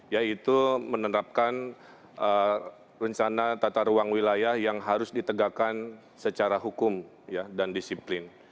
yaitu menerapkan rencana tata ruang wilayah yang harus ditegakkan secara hukum dan disiplin